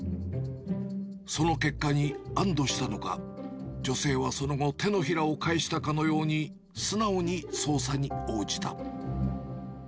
その結果に安どしたのか、女性はその後、手のひらを返したかのように、素直に捜査に応じた。